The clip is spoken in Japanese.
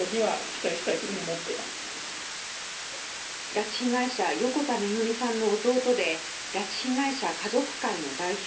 拉致被害者横田めぐみさんの弟で拉致被害者家族会の代表